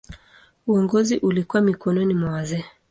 Uongozi ulikuwa mikononi mwa wazee.